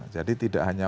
jadi tidak hanya itu